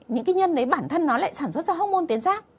những cái nhân đấy bản thân nó lại sản xuất ra hốc môn tuyến rác